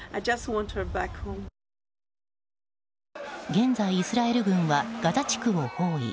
現在、イスラエル軍はガザ地区を包囲。